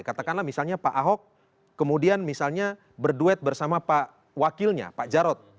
katakanlah misalnya pak ahok kemudian misalnya berduet bersama pak wakilnya pak jarod